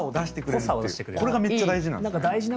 これがめっちゃ大事なんですね。